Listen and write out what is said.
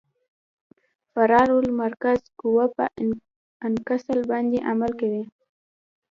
فرار المرکز قوه په اکسل باندې عمل کوي